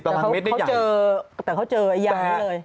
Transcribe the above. ๒๑๐ตารางเมตรได้อย่างแต่เขาเจออย่างนี้เลย